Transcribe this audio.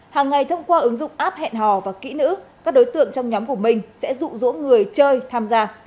hàng ngày thông qua ứng dụng app hẹn hò và kỹ nữ các đối tượng trong nhóm của mình sẽ rụ rỗ người chơi tham gia